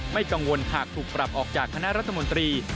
ไม่กังวลหากถูกปรับออกจากคณะรัฐมนตรี